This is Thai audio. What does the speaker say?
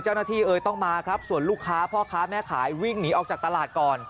เอ่ยต้องมาครับส่วนลูกค้าพ่อค้าแม่ขายวิ่งหนีออกจากตลาดก่อน